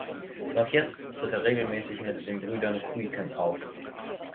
Noch jetzt tritt er regelmäßig mit den Brüdern Kuijken auf.